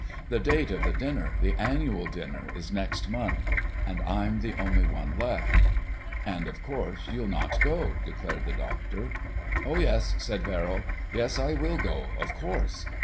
"The date of the dinner, the Annual Dinner, is next month, and I'm the only one left." "And, of course, you'll not go," declared the doctor. "Oh, yes," said Verrill. "Yes, I will go, of course.